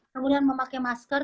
kemudian memakai masker